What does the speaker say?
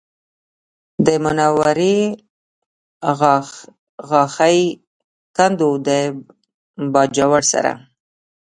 د منورې غاښی کنډو د باجوړ سره